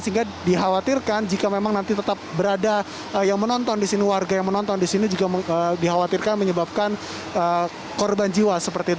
sehingga dikhawatirkan jika memang nanti tetap berada yang menonton disini warga yang menonton disini juga dikhawatirkan menyebabkan korban jiwa seperti itu